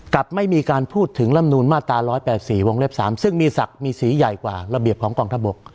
กับไม่มีการพูดถึงรำนูลมาตราร้อยแปดสี่วงเล็บสามซึ่งมีศักดิ์มีสีใหญ่กว่าระเบียบของกองทับบก